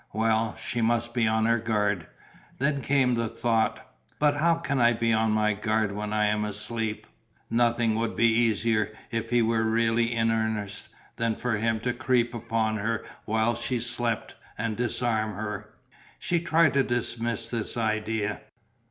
Well, she must be on her guard. Then came the thought: "But how can I be on my guard when I am asleep?" Nothing would be easier, if he were really in earnest, than for him to creep upon her whilst she slept, and disarm her. She tried to dismiss this idea.